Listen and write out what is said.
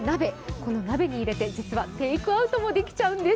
この鍋に入れて実はテイクアウトもできちゃうんです。